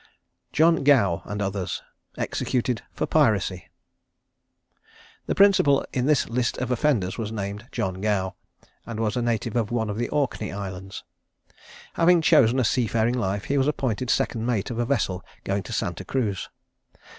JOHN GOW AND OTHERS. EXECUTED FOR PIRACY. The principal in this list of offenders was named John Gow, and was a native of one of the Orkney Islands. Having chosen a seafaring life, he was appointed second mate of a vessel going to Santa Cruz.